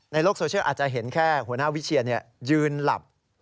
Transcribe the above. ในโลกโซเชียลอาจจะเห็นแค่หัวหน้าวิเชียนยืนหลับ